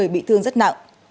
bị thương rất nặng